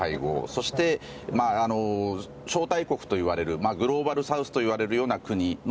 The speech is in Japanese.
そして招待国といわれるグローバルサウスと言われるような国